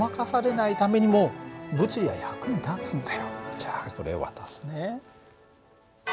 じゃあこれ渡すね。